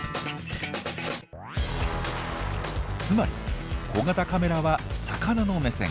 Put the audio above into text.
つまり小型カメラは魚の目線。